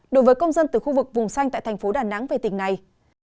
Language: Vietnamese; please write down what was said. đối với công dân từ khu vực vùng xanh tại thành phố đà nẵng về tỉnh này